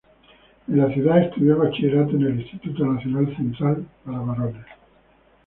En la ciudad estudió el bachillerato en el Instituto Nacional Central para Varones.